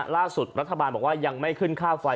รัฐบาลบอกว่ายังไม่ขึ้นค่าไฟ